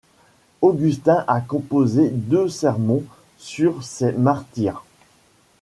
Augustin a composé deux sermons sur ces martyrs.